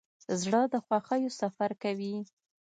زړه د خوښیو سفر کوي.